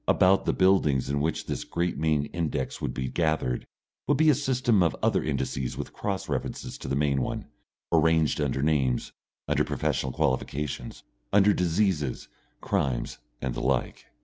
] About the buildings in which this great main index would be gathered, would be a system of other indices with cross references to the main one, arranged under names, under professional qualifications, under diseases, crimes and the like.